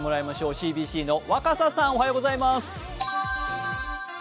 ＣＢＣの若狭さん、おはようございます。